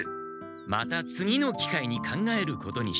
また次のきかいに考えることにした。